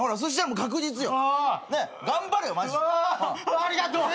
ありがとう。